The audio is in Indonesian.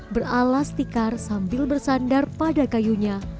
beralas tikar sambil bersandar pada kayunya